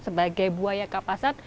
sebagai buaya kapasan